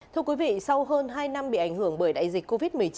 thưa quý vị sau hơn hai năm bị ảnh hưởng bởi đại dịch covid một mươi chín